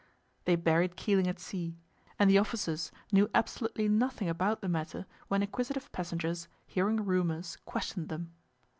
They buried Keeling at sea, and the officers knew absolutely nothing about the matter when inquisitive passengers, hearing rumours, questioned them.